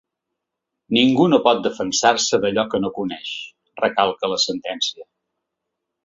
“Ningú no pot defensar-se d’allò que no coneix”, recalca la sentència.